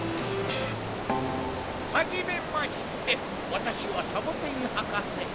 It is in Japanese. はじめましてわたしはサボテンはかせ。